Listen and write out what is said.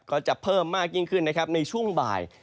ก็จะเพิ่มมากยิ่งขึ้นนะครับในช่วงบ่าย